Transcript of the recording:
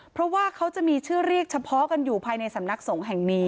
เพราะว่าเขาจะมีชื่อเรียกเฉพาะกันอยู่ภายในสำนักสงฆ์แห่งนี้